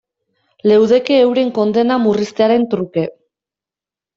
Leudeke euren kondena murriztearen truke.